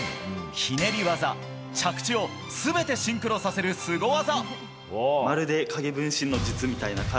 ひねり技、着地を全てシンクロさせるスゴ技。